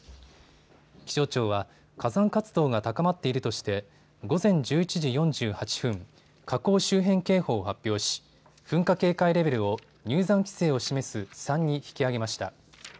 気象庁は火山活動が高まっているとして午前１１時４８分、火口周辺警報を発表し噴火警戒レベルを入山規制を示す３に引き上げました。